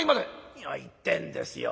「何を言ってんですよ。